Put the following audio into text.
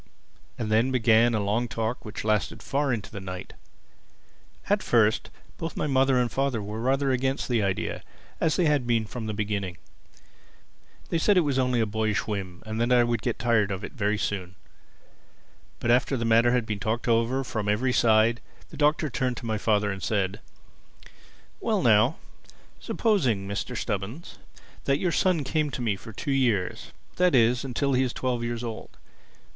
And then began a long talk which lasted far into the night. At first both my mother and father were rather against the idea—as they had been from the beginning. They said it was only a boyish whim, and that I would get tired of it very soon. But after the matter had been talked over from every side, the Doctor turned to my father and said, "Well now, supposing, Mr. Stubbins, that your son came to me for two years—that is, until he is twelve years old.